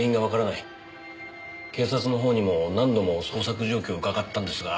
警察の方にも何度も捜索状況を伺ったんですが。